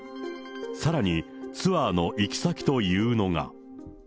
さらに、ツアーの行き先というのが。